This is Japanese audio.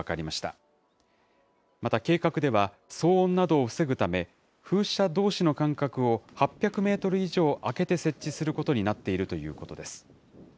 また計画では、騒音などを防ぐため、風車どうしの間隔を８００メートル以上空けて設置することになっているということです。